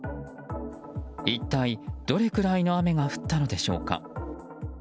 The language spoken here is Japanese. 一体どれくらいの雨が降ったのでしょうか。